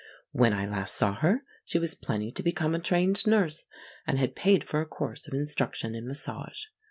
When I last saw her she was planning to become a trained nurse, and had paid for a course of instruction in massage.